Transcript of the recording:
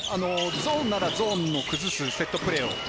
ゾーンならゾーンを崩すセットプレーを。